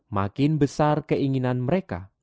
makin besar keinginan mereka